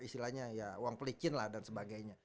ya itu karena ada uang pelicin dan sebagainya